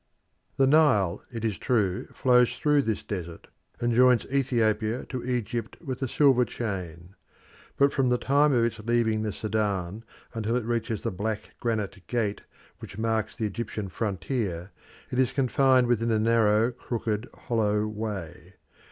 The Nile, it is true, flows through this desert, and joins Ethiopia to Egypt with a silver chain. But from the time of its leaving the Sudan until it reaches the black granite gate which marks the Egyptian frontier, it is confined within a narrow, crooked, hollow way.